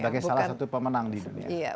sebagai salah satu pemenang di dunia